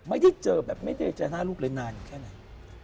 ไม่ได้เจอแบบไม่ได้เจอหน้าลูกเลยนานแค่ไหน